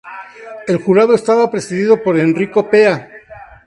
El jurado estaba presidido por Enrico Pea.